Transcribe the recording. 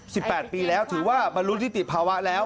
สิบแปดปีแล้วถือว่ามันรู้วิติภาวะแล้ว